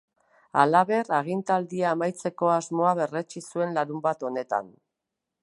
Halaber, agintaldia amaitzeko asmoa berretsi zuen larunbat honetan.